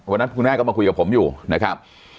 วันนั้นคุณแม่ก็มาคุยกับผมอยู่นะครับ